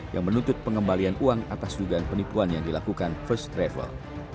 yang menuntut pengembalian uang atas dugaan penipuan yang dilakukan first travel